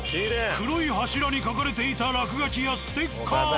黒い柱に書かれていた落書きやステッカーも。